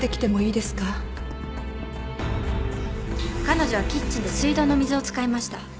彼女はキッチンで水道の水を使いました。